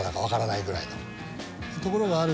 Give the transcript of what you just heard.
ところがある